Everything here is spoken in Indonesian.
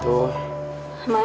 thank you ryan